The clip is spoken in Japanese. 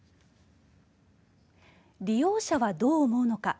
利用者はどう思うのか。